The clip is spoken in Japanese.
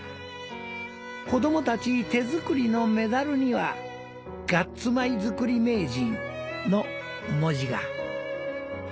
子供たち手作りのメダルには「ガッツ米作り名人」の文字が。